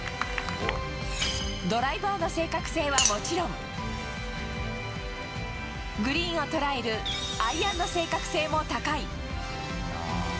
ドライバーの正確性はもちろん、グリーンを捉えるアイアンの正確性も高い。